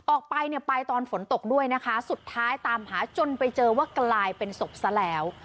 ออกไปเนี่ยไปตอนฝนตกด้วยนะคะสุดท้ายตามหาจนไปเจอว่ากลายเป็นศพซะแล้ว